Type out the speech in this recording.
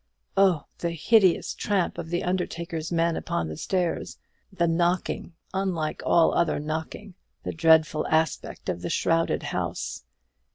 Oh, the hideous tramp of the undertaker's men upon the stairs; the knocking, unlike all other knocking; the dreadful aspect of the shrouded house!